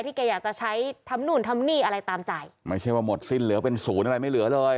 แกอยากจะใช้ทำนู่นทำนี่อะไรตามจ่ายไม่ใช่ว่าหมดสิ้นเหลือเป็นศูนย์อะไรไม่เหลือเลย